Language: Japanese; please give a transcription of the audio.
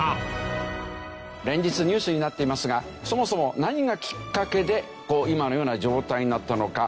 連日ニュースになっていますがそもそも何がきっかけで今のような状態になったのか。